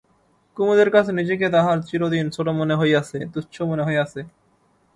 কুমুদের কাছে নিজেকে তাহার চিরদিন ছোট মনে হইয়াছে, তুচ্ছ মনে হইয়াছে।